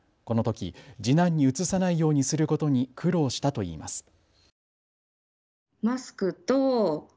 このとき次男にうつさないようにすることに苦労したといいます。